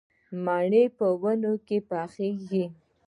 مڼې په ونې کې پخېږي